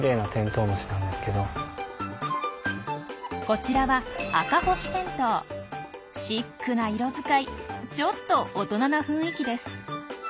こちらはシックな色使いちょっと大人な雰囲気です。